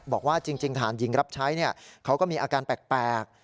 บอกว่าจริงทหารหญิงรับใช้เขาก็มีอาการแปลก